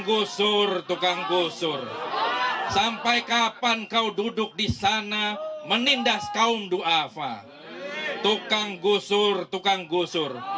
gusur tukang gusur sampai kapan kau duduk di sana menindas kaum ⁇ doafa ⁇ tukang gusur tukang gusur